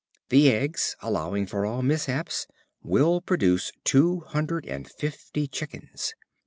The eggs, allowing for all mishaps, will produce two hundred and fifty chickens.